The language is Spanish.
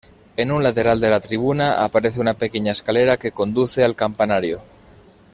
En un lateral de la tribuna aparece una pequeña escalera que conduce al campanario.